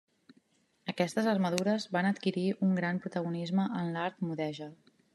Aquestes armadures van adquirir un gran protagonisme en l'art mudèjar.